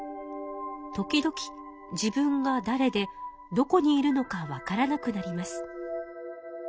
時々自分がだれでどこにいるのかわからなくなります。